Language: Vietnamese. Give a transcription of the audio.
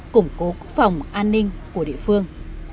củng cố quốc phòng an ninh của địa phương